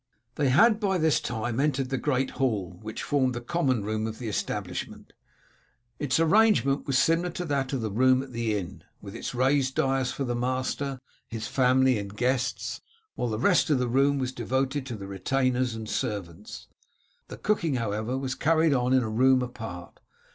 They had by this time entered the great hall which formed the common room of the establishment. Its arrangement was similar to that of the room at the inn, with its raised dais for the master, his family, and guests, while the rest of the room was devoted to the retainers and servants. The cooking, however, was carried on in a room apart.